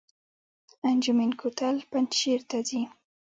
انجمین کوتل پنجشیر ته ځي؟